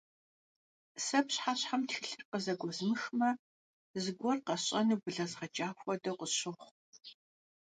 Сэ пщыхьэщхьэм тхылъыр къызэгуэзмыхмэ, зыгуэр къэсщӀэну блэзгъэкӀа хуэдэу къысщохъу.